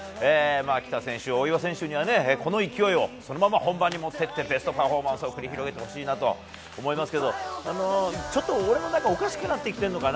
喜田選手大岩選手にはこの勢いをそのまま本番にもっていってベストパフォーマンスを繰り広げてもらいたいと思いますが俺もちょっとおかしくなってるのかな？